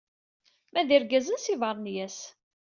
Ma d irgazen s yibernyas.